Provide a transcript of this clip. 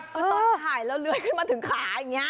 คือตอนถ่ายแล้วเลื้อยขึ้นมาถึงขาอย่างนี้